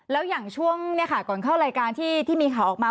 แล้วอย่างช่วงก่อนเข้ารายการที่มีข่าวออกมา